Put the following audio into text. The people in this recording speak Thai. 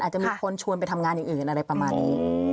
จะมีคนชวนไปทำงานอย่างอื่นอะไรประมาณนี้